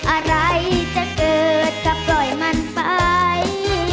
อะไรจะเกิดก็ปล่อยมันไป